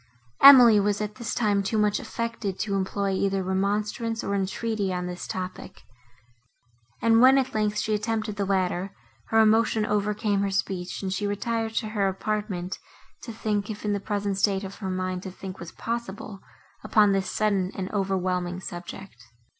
Emily was, at this time, too much affected to employ either remonstrance, or entreaty on this topic; and when, at length, she attempted the latter, her emotion overcame her speech, and she retired to her apartment, to think, if in the present state of her mind to think was possible, upon this sudden and overwhelming subject.